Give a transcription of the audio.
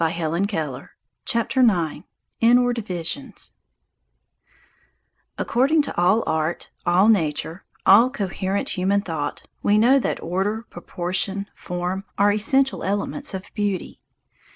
INWARD VISIONS IX INWARD VISIONS ACCORDING to all art, all nature, all coherent human thought, we know that order, proportion, form, are essential elements of beauty.